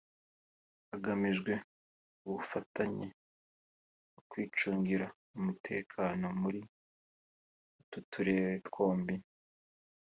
hagamijwe ubufatanye mu kwicungira umutekano muri utu turere twombi